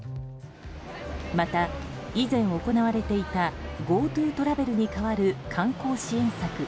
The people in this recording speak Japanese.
また、以前行われていたＧｏＴｏトラベルに代わる観光支援策